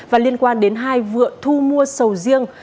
và liên quan đến hai vựa thu mua sầu riêng